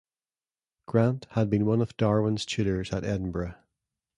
Grant had been one of Darwin's tutors at Edinburgh.